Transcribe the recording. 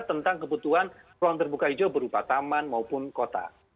tentang kebutuhan ruang terbuka hijau berupa taman maupun kota